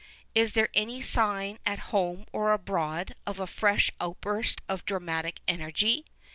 Is there any sign at home or abroad of a fresh outburst of dramatic energy